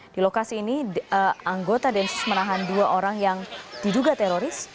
di lokasi ini anggota densus menahan dua orang yang diduga teroris